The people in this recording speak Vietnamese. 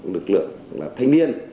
lực lượng là thanh niên